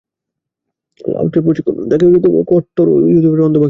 লাঈছের প্রশিক্ষণ তাকে কট্টর ও ইহুদীবাদের অন্ধ ভক্তে পরিণত করে।